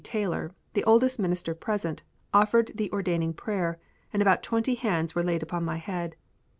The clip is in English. Taylor, the oldest minister present, offered the ordaining prayer, and about twenty hands were laid upon my head.